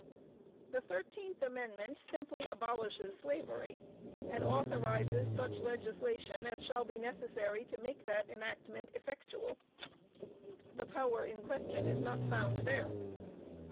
The thirteenth amendment simply abolishes slavery, and authorizes such legislation as shall be necessary to make that enactment effectual. The power in question is not found there.